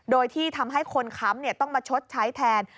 โดยที่ทำให้คนค้ำต้องมาชดใช้แทน